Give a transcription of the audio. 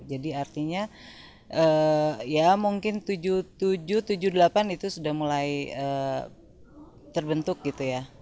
jadi artinya ya mungkin seribu sembilan ratus tujuh puluh tujuh seribu sembilan ratus tujuh puluh delapan itu sudah mulai terbentuk gitu ya